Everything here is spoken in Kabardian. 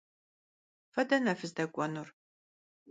Fe dene fızdek'uenur?